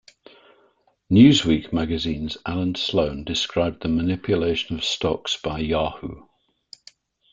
"Newsweek" magazine's Allan Sloan described the manipulation of stocks by Yahoo!